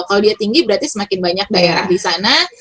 kalau dia tinggi berarti semakin banyak daerah disana